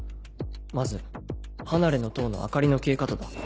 まず離れの塔の明かりの消え方だ。